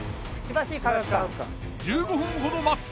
１５分ほど待って。